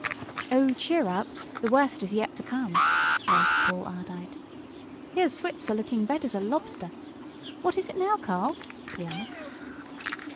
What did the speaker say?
"Oh, cheer up! The worst is yet to come!" laughed Paul Ardite. "Here's Switzer looking as red as a lobster. What is it now, Carl?" he asked.